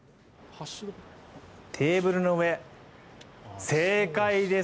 テーブルの上、正解です。